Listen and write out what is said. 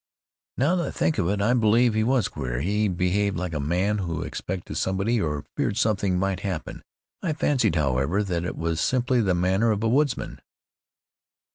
"Now that I think of it, I believe he was queer. He behaved like a man who expected somebody, or feared something might happen. I fancied, however, that it was simply the manner of a woodsman."